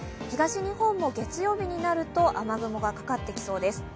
東日本も月曜日になると雨雲がかかってきそうです。